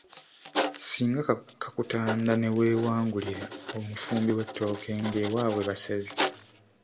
Singa kakutanda ne weewangulira omufumbi w’ettooke ng’ewaabwe basezi.